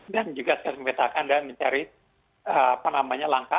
dan juga sekalian mempetakan dan mencari apa namanya langkah